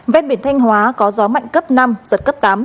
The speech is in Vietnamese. ven biển thanh hóa có gió mạnh cấp năm giật cấp tám